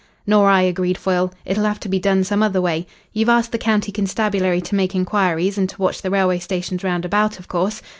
"Nor I," agreed Foyle. "It'll have to be done some other way. You've asked the county constabulary to make inquiries and to watch the railway stations round about, of course?